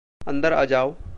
अंदर आ जाओ।